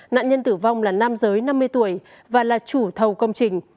nạn nhân tử vong là nam giới năm mươi tuổi và là chủ thầu công trình